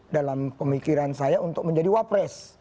dalam pemikiran saya untuk menjadi wapres